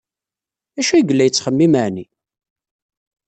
D acu ay yella yettxemmim, ɛni?